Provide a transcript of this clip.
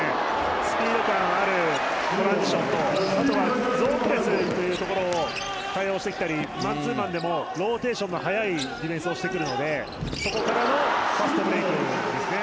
スピード感があるトランジションとあとはゾーンプレスというところを対応してきたりマンツーマンでもローテーションが早いディフェンスをしてくるのでそこからのポストプレーですね。